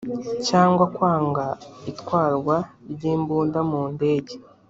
cyangwa kwanga itwarwa ry imbunda mu ndege